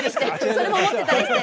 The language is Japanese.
それも思ってたりして。